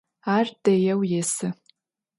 Ар дэеу есы.